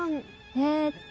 えーっと。